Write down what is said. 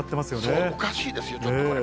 そう、おかしいですよ、ちょっとこれ。